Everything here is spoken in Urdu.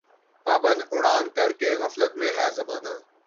پابند اڑان کر کے غفلت میں ہے زمانہ